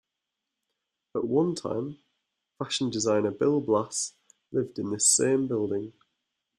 At one time, fashion designer Bill Blass lived in this same building.